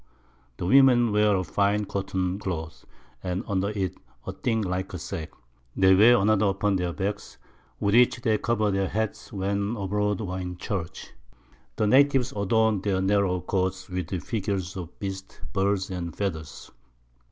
The Women wear a fine white Cotton Cloth, and under it a thing like a Sack; they wear another upon their Backs, with which they cover their Heads when abroad or in Church. The Natives adorn their narrow Coats with Figures of Beasts, Birds and Feathers.